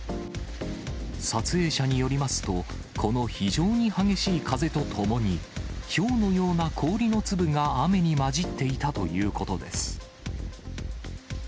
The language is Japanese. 撮影者によりますと、この非常に激しい風とともにひょうのような氷の粒が雨に交じっていたということです。